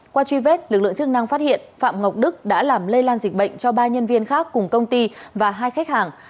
qua truy vết lực lượng chức năng phát hiện phạm ngọc đức đã làm lây lan dịch bệnh cho ba nhân viên khác cùng công ty và hai khách hàng